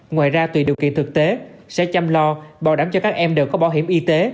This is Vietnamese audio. ngoài ra tùy điều kiện thực tế sẽ chăm lo bảo đảm cho các em đều có bảo hiểm y tế